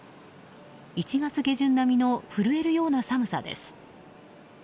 １月下旬並みの震えるような寒さです。